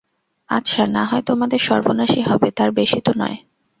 আচ্ছা, নাহয় আমাদের সর্বনাশই হবে, তার বেশি তো নয়?